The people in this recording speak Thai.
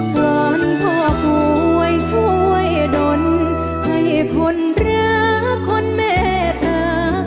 ก่อนพ่อคอยช่วยดนให้คนรักคนเมตตา